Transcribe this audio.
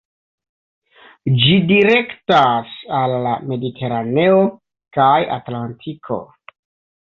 Ĝi direktas al la Mediteraneo kaj Atlantiko.